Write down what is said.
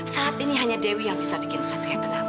saat ini hanya dewi yang bisa bikin satria tenang